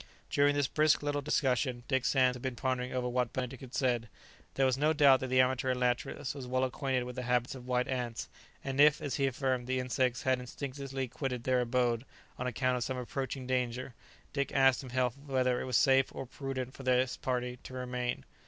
During this brisk little discussion Dick Sands had been pondering over what Benedict had said. There was no doubt that the amateur naturalist was well acquainted with the habits of white ants, and if, as he affirmed, the insects had instinctively quitted their abode on account of some approaching danger, Dick asked himself whether it was safe or prudent for his party to remain.